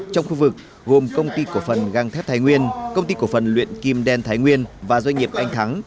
trong khu vực gồm công ty cổ phần găng thép thái nguyên công ty cổ phần luyện kim đen thái nguyên và doanh nghiệp anh thắng